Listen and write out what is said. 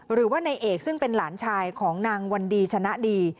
หรือว่านายเอกซึ่งเป็นหลานชายของนางวันดีชนะดี